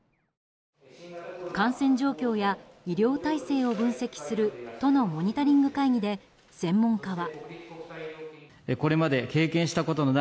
感染状況や医療体制を分析する都のモニタリング会議で専門家は。